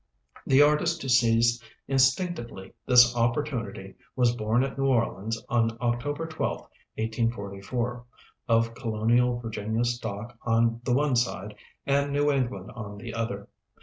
The artist who seized instinctively this opportunity was born at New Orleans on October 12th, 1844, of colonial Virginia stock on the one side, and New England on the other.